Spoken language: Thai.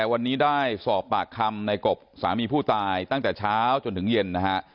วันนี้ได้สอบปากคำในกบสามีผู้ตายตั้งแต่เช้าจนถึงเย็นนะฮะ